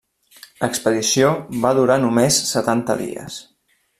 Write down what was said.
L'expedició va durar només setanta dies.